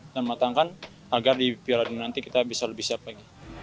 dan matangkan agar di piala dunia nanti kita bisa lebih siap lagi